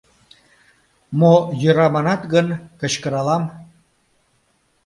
— Мо, йӧра манат гын, кычкыралам.